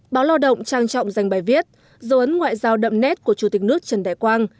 báo lo động trang trọng dành bài viết dấu ấn ngoại giao đậm nét của chủ tịch nước trần đại quang